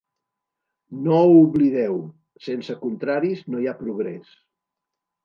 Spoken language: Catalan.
No ho oblideu: sense contraris no hi ha progrés.